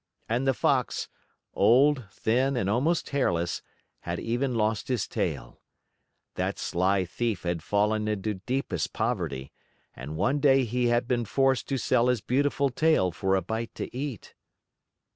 And the Fox, old, thin, and almost hairless, had even lost his tail. That sly thief had fallen into deepest poverty, and one day he had been forced to sell his beautiful tail for a bite to eat.